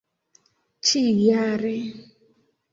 ĉiujare